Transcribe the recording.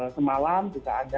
semalam juga ada